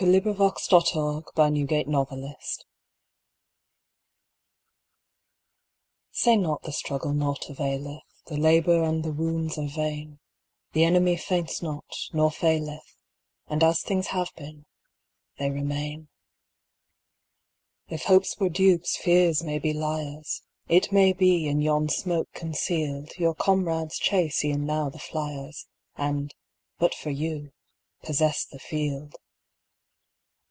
Say Not the Struggle Naught Availeth SAY not the struggle naught availeth, The labour and the wounds are vain, The enemy faints not, nor faileth, And as things have been they remain. If hopes were dupes, fears may be liars; It may be, in yon smoke conceal'd, Your comrades chase e'en now the fliers, And, but for you, possess the field.